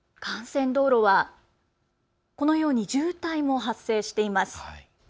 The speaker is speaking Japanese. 幹線道路は、このように渋滞も発生しています。